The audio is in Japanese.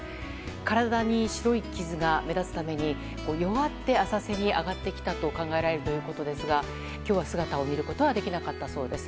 体に白い傷が目立つために弱って浅瀬に上がってきたと考えられるということですが今日は姿を見ることはできなかったそうです。